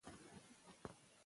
مرسته باید په وخت ترسره شي.